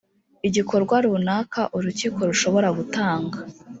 igikorwa runaka urukiko rushobora gutanga